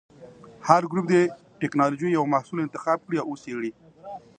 هر ګروپ دې د ټېکنالوجۍ یو محصول انتخاب کړي او وڅېړي.